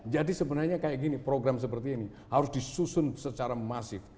jadi sebenarnya kayak gini program seperti ini harus disusun secara masif